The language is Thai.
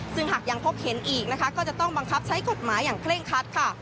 ซึ่งหากยังพบเห็นอีกนะคะก็จะต้องบังคับใช้กฎหมายอย่างเคร่งคัดค่ะ